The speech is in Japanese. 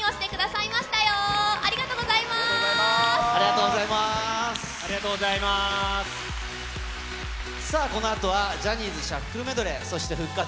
さあ、このあとはジャニーズシャッフルメドレー、そして復活！